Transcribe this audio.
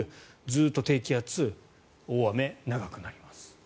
ずっと低気圧、大雨長くなります。